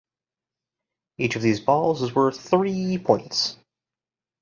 Each of these balls is worth three points.